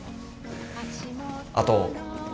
あと。